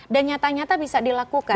dan nyata nyata bisa dilakukan